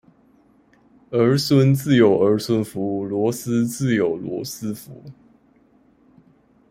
兒孫自有兒孫福，螺絲自有羅斯福